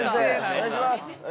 お願いします。